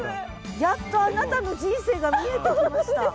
やっとあなたの人生が見えてきました。